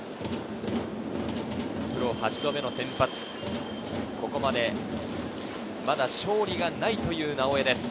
プロ８度目の先発、ここまでまだ勝利がないという直江です。